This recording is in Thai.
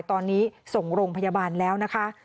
ตอนนี้ส่งโรงพยาบาลแล้วนะคะ